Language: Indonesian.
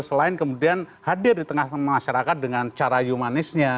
selain kemudian hadir di tengah masyarakat dengan cara humanisnya